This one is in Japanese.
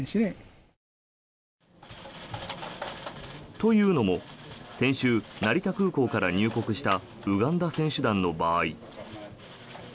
というのも先週、成田空港から入国したウガンダ選手団の場合。